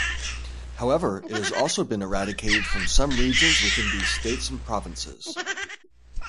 However, it has also been eradicated from some regions within these states and provinces.